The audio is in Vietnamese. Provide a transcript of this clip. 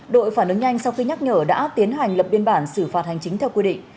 đội phản ứng nhanh sau khi nhắc nhở đã tiến hành lập biên bản xử phạt hành chính theo quy định